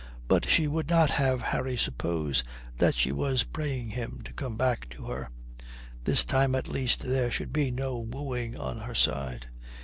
But she would not have Harry suppose that she was praying him to come back to her. This time, at least, there should be no wooing on her side.